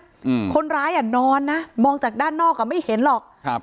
อืมคนร้ายอ่ะนอนนะมองจากด้านนอกอ่ะไม่เห็นหรอกครับ